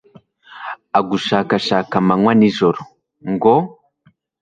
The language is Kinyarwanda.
agushakashaka amanywa n'ijoro, ngo